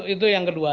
itu yang kedua